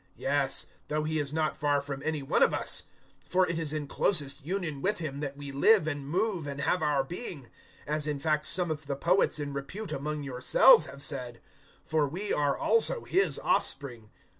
Yes, though He is not far from any one of us. 017:028 For it is in closest union with Him that we live and move and have our being; as in fact some of the poets in repute among yourselves have said, `For we are also His offspring.'